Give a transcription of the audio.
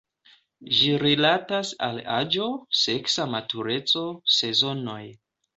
Ĝi rilatas al aĝo, seksa matureco, sezonoj.